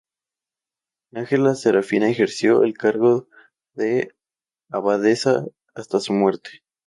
Ángela Serafina ejerció el cargo de abadesa hasta su muerte.